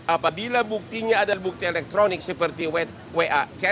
apabila buktinya adalah bukti elektronik seperti wa